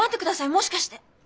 もしかして？